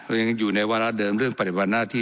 ก็ยังอยู่ในวัตรเวลาเดิมเรื่องปฎิบันหน้าที่